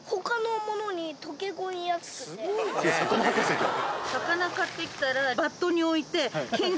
魚博士じゃん。